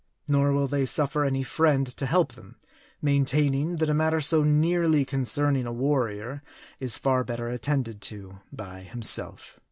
Nor will they suffer any friend to help them ; main taining, that a matter so nearly concerning a warrior is far better attended to by himself.